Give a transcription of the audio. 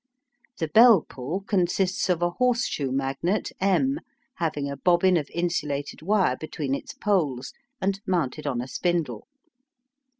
The bell pull consists of a horseshoe magnet M, having a bobbin of insulated wire between its poles, and mounted on a spindle.